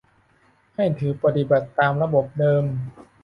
ให้ถือปฏิบัติตามระบบเดิม